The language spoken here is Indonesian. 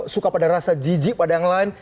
suka pada rasa jijik pada yang lain